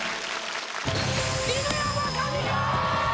犬山紙子！